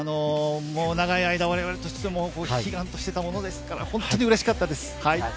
長い間、我々としても悲願としていたものですから、本当にうれしかったです。